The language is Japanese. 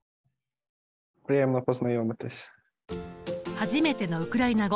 初めてのウクライナ語。